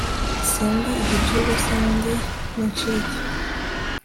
sindi igicibwa sindi n'incike